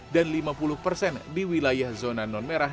dan lima puluh persen di wilayah zona non merah